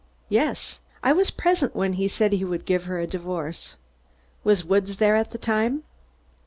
"Yes. I was present when he said he would give her a divorce." "Was Woods there at the time?"